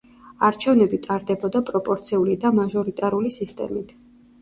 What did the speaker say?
არჩევნები ტარდებოდა პროპორციული და მაჟორიტარული სისტემით.